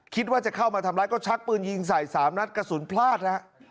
คิดว่าจะเข้ามาทำร้ายก็ชักปืนยิงใส่๓นัดกระสุนพลาดนะฮะ